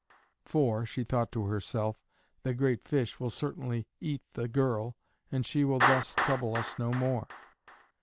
("For," she thought to herself, "the great fish will certainly eat the girl, and she will thus trouble us no more.")